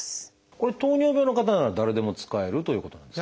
これ糖尿病の方なら誰でも使えるということなんですか？